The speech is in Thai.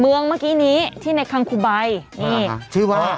เมืองเมื่อกี้นี้ที่ในคังคุบัยนี่อ่าฮะชื่อว่า